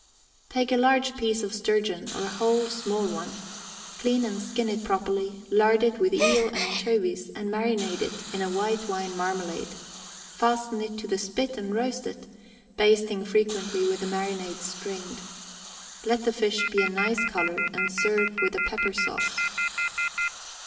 Take a large piece of sturgeon, or a whole small one, clean and skin it properly, lard it with eel and anchovies, and marinade it in a white wine marmalade. Fasten it to the spit and roast it, basting frequently with the marinade strained. Let the fish be a nice color, and serve with a pepper sauce.